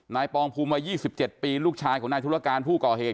ปองภูมิวัย๒๗ปีลูกชายของนายธุรการผู้ก่อเหตุ